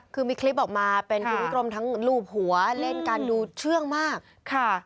คือมีคลิปออกมาเป็นคุณผู้ชมทั้งรูปหัวเล่นกันดูเชื่องมากค่ะ